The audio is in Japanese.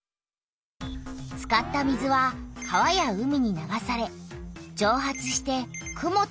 使った水は川や海に流されじょう発して雲となる。